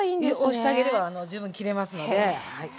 押してあげれば十分切れますので。